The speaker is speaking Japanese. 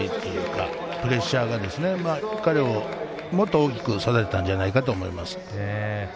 そのプレッシャーが彼をもっと大きく育てたんじゃないかと思います。